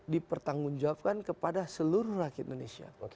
dipertanggungjawabkan kepada seluruh rakyat indonesia